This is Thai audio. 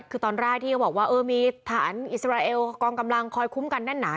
คือตอนแรกที่เขาบอกว่ามีฐานอิสราเอลกองกำลังคอยคุ้มกันแน่นหนา